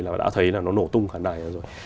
là đã thấy là nó nổ tung cả đài rồi